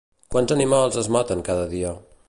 Quants animals és maten cada dia?